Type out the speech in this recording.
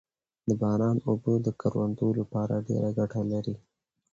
د باران اوبه د کروندو لپاره ډېره ګټه لري